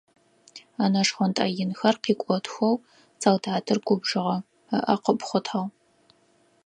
Ынэ шхъонтӏэ инхэр къикӏотхэу солдатыр губжыгъэ, ыӏэ къыпхъотагъ.